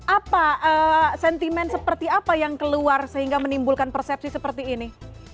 apa sentimen seperti apa yang keluar sehingga menimbulkan persepsi seperti ini